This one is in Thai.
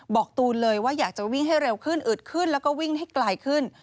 ตูนเลยว่าอยากจะวิ่งให้เร็วขึ้นอืดขึ้นแล้วก็วิ่งให้ไกลขึ้น